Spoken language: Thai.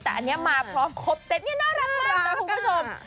แต่อันนี้มาพร้อมครบเซตนี่น่ารักมากนะคุณผู้ชม